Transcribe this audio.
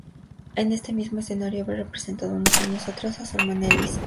En este mismo escenario había representado unos años atrás a su hermana Elisa.